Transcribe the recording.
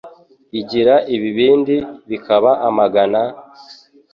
Igira ibibindi bikaba amagana,